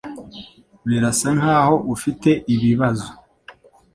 Birasa nkaho ufite ibibazo.